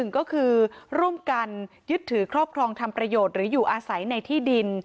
ก็คือร่วมกันยึดถือครอบครองทำประโยชน์หรืออยู่อาศัยในที่ดิน